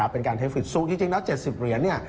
เป็นการเทคโฟฟิตสูงจริงแล้ว๗๐เหรียญ